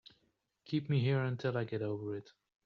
Keep me here until I get over it.